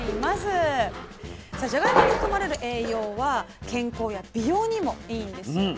さあじゃがいもに含まれる栄養は健康や美容にもいいんですよね。